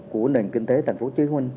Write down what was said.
của nền kinh tế thành phố hồ chí minh